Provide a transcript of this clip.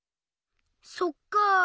そっか。